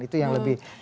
itu yang lebih